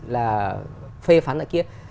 là phê phán lại kia